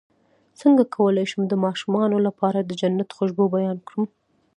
څنګه کولی شم د ماشومانو لپاره د جنت خوشبو بیان کړم